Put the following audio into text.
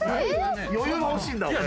余裕が欲しいんだ俺。